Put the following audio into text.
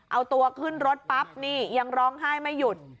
เอาตัวขึ้นรถปั๊บนี่ยังร้องไห้ไม่หยุด